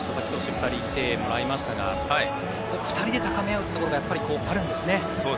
２人に来ていただきましたが２人で高め合うということがやはりあるんですね。